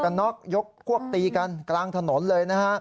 กำน็อกยกควบตีกันกลางถนนเลย